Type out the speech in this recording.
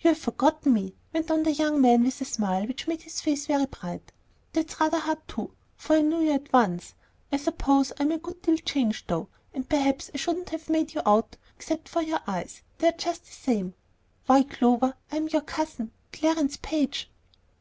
"You've forgotten me?" went on the young man, with a smile which made his face very bright. "That's rather hard too; for I knew you at once. I suppose I'm a good deal changed, though, and perhaps I shouldn't have made you out except for your eyes; they're just the same. Why, Clover, I'm your cousin, Clarence Page!"